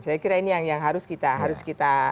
saya kira ini yang harus kita harus kita